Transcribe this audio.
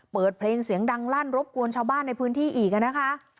เปิดเพลงเสียงดังลั่นรบกวนชาวบ้านในพื้นที่อีกนะคะ